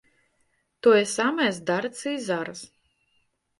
Тое самае здарыцца і зараз.